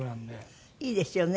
いいですよね。